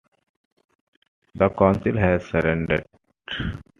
The Council has surrendered.